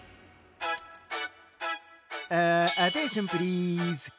あアテンションプリーズ。